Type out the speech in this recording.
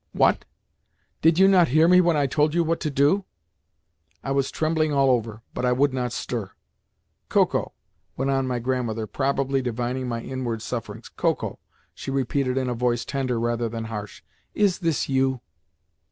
"What? Did you not hear me when I told you what to do?" I was trembling all over, but I would not stir. "Koko," went on my grandmother, probably divining my inward sufferings, "Koko," she repeated in a voice tender rather than harsh, "is this you?"